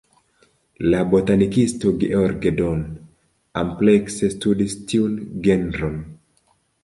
La botanikisto George Don amplekse studis tiun genron.